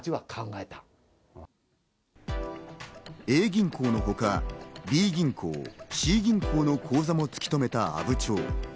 Ａ銀行のほか、Ｂ銀行、Ｃ銀行の口座も突き止めた阿武町。